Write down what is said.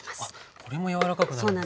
これも柔らかくなるんですね。